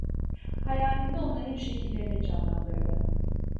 Hayalinde onların şekillerini canlandırdı.